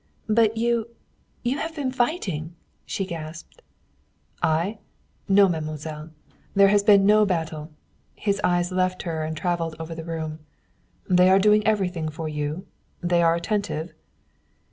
"But you you have been fighting!" she gasped. "I? No, mademoiselle. There has been no battle." His eyes left her and traveled over the room. "They are doing everything for you? They are attentive?"